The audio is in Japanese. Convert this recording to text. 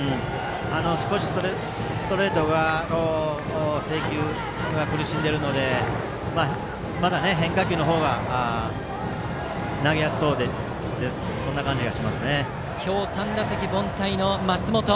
少しストレートの制球に苦しんでいるのでまだ変化球の方が投げやすそうでそんな感じがします。